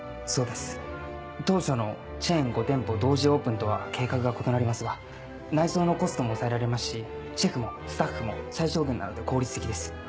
そうです当初のチェーン５店舗同時オープンとは計画が異なりますが内装のコストも抑えられますしシェフもスタッフも最小限なので効率的です。